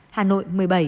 hà nội một mươi bảy